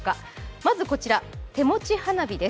まずこちら、手持ち花火です。